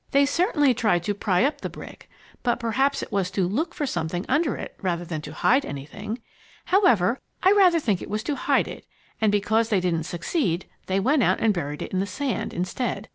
"They certainly tried to pry up the brick, but perhaps it was to look for something under it, rather than to hide anything. However, I rather think it was to hide it. And because they didn't succeed, they went out and buried it in the sand, instead.